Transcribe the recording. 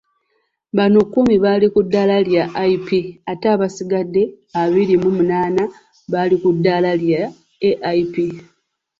Kubano, kkumi bali kuddaala lya IP ate abasigadde abiri mu munaana bali ku ddaala lya AIP.